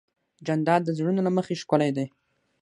جانداد د زړونو له مخې ښکلی دی.